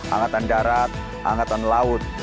angkatan darat angkatan laut